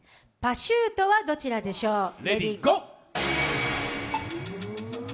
パシュートはどちらでしょう？